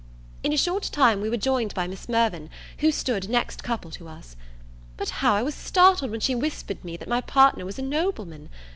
In a short time we were joined by Miss Mirvan, who stood next couple to us. But how I was startled when she whispered me that my partner was a nobleman!